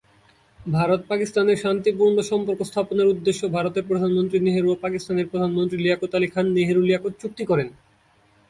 ভারত-পাকিস্তানের শান্তিপূর্ণ সম্পর্ক স্থাপনের উদ্দেশ্য ভারতের প্রধানমন্ত্রী নেহেরু ও পাকিস্তানের প্রধানমন্ত্রী লিয়াকত আলি খান নেহেরু-লিয়াকত চুক্তি করেন।